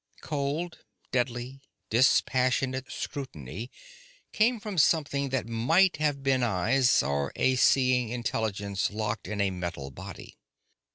Cold, deadly, dispassionate scrutiny came from something that might have been eyes, or a seeing intelligence locked in a metal body.